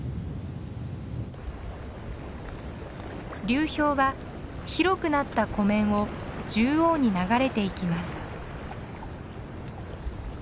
流氷は広くなった湖面を縦横に流れていきます。